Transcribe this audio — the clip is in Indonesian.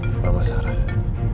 kau bawa dia angkat ya